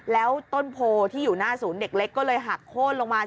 แล้วต้นโพที่อยู่หน้าศูนย์เด็กเล็กก็เลยหักโค้นลงมา